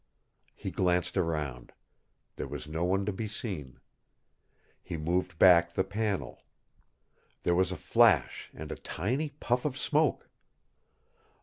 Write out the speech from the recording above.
He glanced around. There was no one to be seen. He moved back the panel. There was a flash and a tiny puff of smoke.